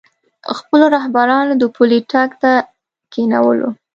خپلو رهبرانو د پولۍ ټک ته کېنولو.